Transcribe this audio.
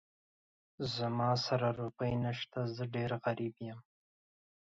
زما سره روپۍ نه شته، زه ډېر غريب يم.